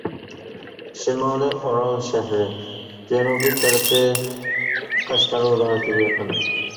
شىمالىي ئارال شەھىرى، جەنۇبىي تەرىپى قەشقەر ۋىلايىتىگە يېقىن.